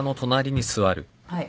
はい。